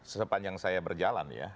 sepanjang saya berjalan ya